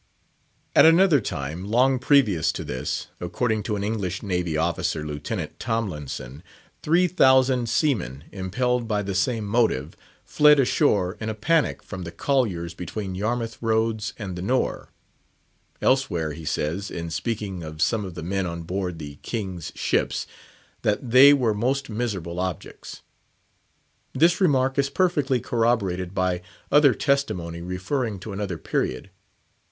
At another time, long previous to this, according to an English Navy officer, Lieutenant Tomlinson, three thousand seamen, impelled by the same motive, fled ashore in a panic from the colliers between Yarmouth Roads and the Nore. Elsewhere, he says, in speaking of some of the men on board the king's ships, that "they were most miserable objects." This remark is perfectly corroborated by other testimony referring to another period.